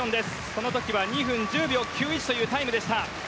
その時は２分１０秒９１というタイムでした。